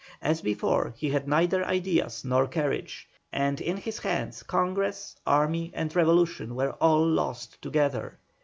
As before, he had neither ideas nor courage, and in his hands Congress, army, and revolution were all lost together.